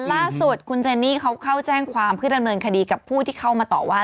ล่าสุดคุณเจนนี่เขาเข้าแจ้งความเพื่อดำเนินคดีกับผู้ที่เข้ามาต่อว่า